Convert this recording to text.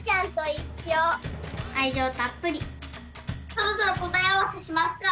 そろそろこたえあわせしますか。